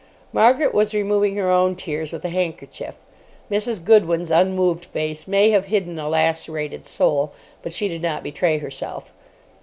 Margaret was removing her own tears with a handkerchief. Mrs. Goodwin's unmoved face may have hidden a lacerated soul, but she did not betray herself.